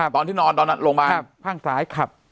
ตอนที่นอนตอนโรงพยาบาล